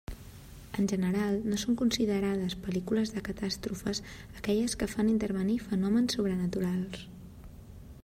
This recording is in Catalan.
En general no són considerades pel·lícules de catàstrofes aquelles que fan intervenir fenòmens sobrenaturals.